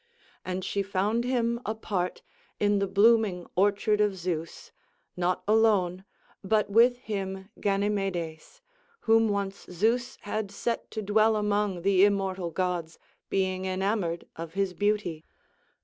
And she found him apart, in the blooming orchard of Zeus, not alone, but with him Ganymedes, whom once Zeus had set to dwell among the immortal gods, being enamoured of his beauty.